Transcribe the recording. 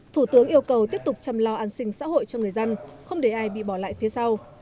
thủ tướng yêu cầu tiếp tục chăm lo an sinh xã hội cho người dân không để ai bị bỏ lại phía sau